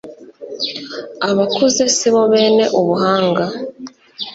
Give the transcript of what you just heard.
abakuze si bo bene ubuhanga